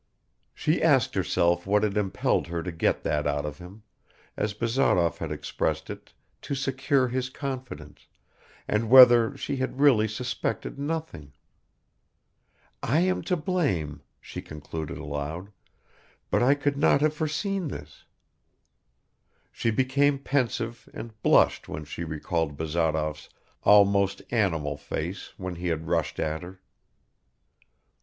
She asked herself what had impelled her to get that out of him, as Bazarov had expressed it, to secure his confidence, and whether she had really suspected nothing ... "I am to blame," she concluded aloud, "but I could not have foreseen this." She became pensive and blushed when she recalled Bazarov's almost animal face when he had rushed at her